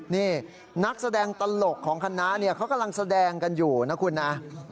นี่นักแสดงตลกของคณะเนี่ยเขากำลังแสดงกันอยู่นะคุณนะ